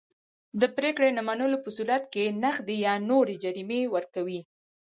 د پرېکړې نه منلو په صورت کې نغدي یا نورې جریمې ورکوي.